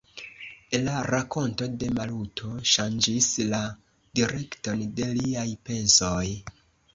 La rakonto de Maluto ŝanĝis la direkton de liaj pensoj.